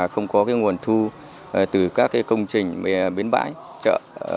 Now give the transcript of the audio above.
không có nguồn thu từ các công trình bến bãi chợ